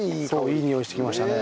いいにおいしてきましたね。